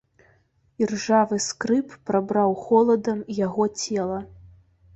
Іржавы скрып прабраў холадам яго цела.